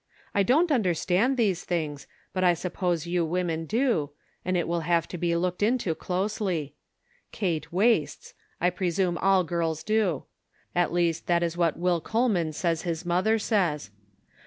I don't understand these things, but I suppose you women do, and it will have to be looked into closely. Kate wastes, I presume all girls do. At least that is what Will Coleman says his mother says.